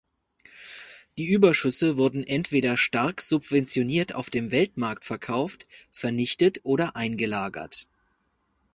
Die Überschüsse wurden entweder stark subventioniert auf dem Weltmarkt verkauft, vernichtet oder eingelagert.